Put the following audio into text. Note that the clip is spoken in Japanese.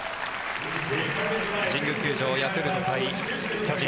神宮球場ヤクルト対巨人。